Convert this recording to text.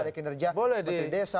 secara kinerja menteri desa